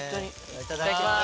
いただきます。